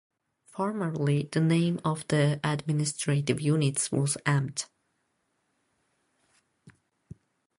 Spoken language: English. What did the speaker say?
Formerly the name of the administrative units was "Amt".